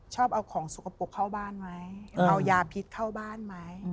ชอบเอาของสกปรกเข้าบ้านไหมเอายาพิษเข้าบ้านไหม